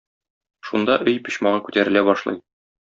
Шунда өй почмагы күтәрелә башлый.